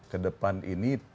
ke depan ini